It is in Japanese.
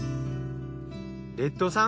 レッドさん